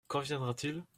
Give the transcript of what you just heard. Quand viendra-t-il ?